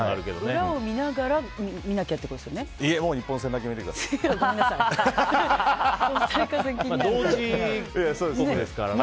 裏を見ながら見なきゃってことですよね。